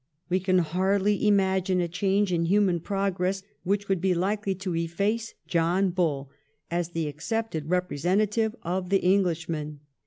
We can hardly imagine a change in human progress which would be likely to, efiace John Bull as the accepted representative of the Englishman.